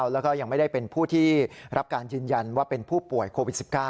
แล้วก็ยังไม่ได้เป็นผู้ที่รับการยืนยันว่าเป็นผู้ป่วยโควิด๑๙